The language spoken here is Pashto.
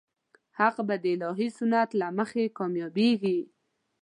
حق به د الهي سنت له مخې کامیابېږي.